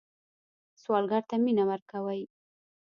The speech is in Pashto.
سوالګر ته مینه ورکوئ